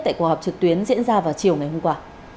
tại cuộc họp trực tuyến diễn ra vào chiều ngày hôm qua